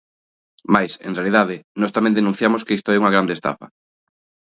Mais, en realidade, nós tamén denunciamos que isto é unha grande estafa.